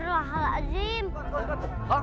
oh sok atuh